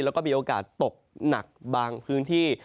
แล้วก็มีโอกาสตกหนักบางพื้นที่